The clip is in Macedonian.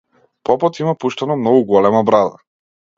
Попот има пуштено многу голема брада.